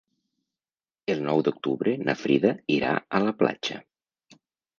El nou d'octubre na Frida irà a la platja.